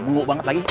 mengu banget lagi